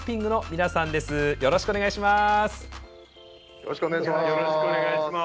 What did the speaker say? よろしくお願いします。